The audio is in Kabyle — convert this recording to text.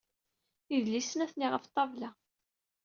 Idlisen ha-ten-i ɣef ṭṭabla.